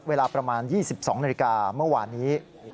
เวลาประมาณ๒๒นาฬิกาเมื่อวานนี้